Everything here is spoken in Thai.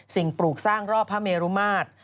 ปลูกสร้างรอบพระเมรุมาตร